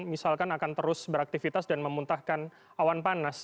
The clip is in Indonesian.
misalkan akan terus beraktivitas dan memuntahkan awan panas